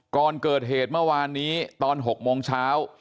ก่อนเกิดเหตุเมื่อวานนี้ตอน๖โมงเช้า